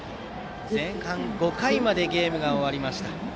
前半５回までゲームが終わりました。